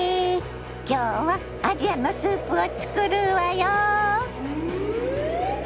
今日はアジアのスープを作るわよ。